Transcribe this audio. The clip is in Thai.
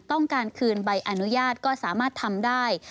ต้องการคืนใบอนุญาตก็สามารถทำได้